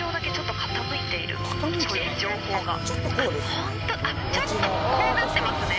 ホントちょっとこうなってますね。